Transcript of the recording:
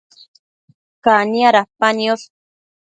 Cania dapa niosh